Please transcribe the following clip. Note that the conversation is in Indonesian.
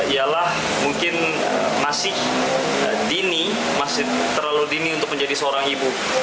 ialah mungkin masih dini masih terlalu dini untuk menjadi seorang ibu